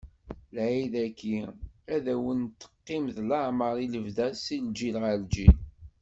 Lɛid-agi, ad wen-d-teqqim d lameṛ i lebda si lǧil ɣer lǧil.